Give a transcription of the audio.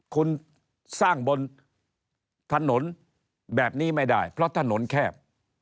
คุณสร้างบนถนนแบบนี้ไม่ได้เพราะถนนแคบ